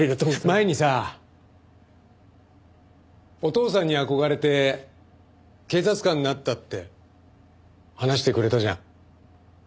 前にさお父さんに憧れて警察官になったって話してくれたじゃん。